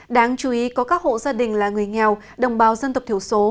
đáng chú ý có các hộ gia đình là người nghèo đồng bào dân tộc thiểu số